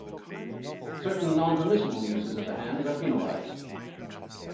Certain non-permissible uses of the hands are penalized.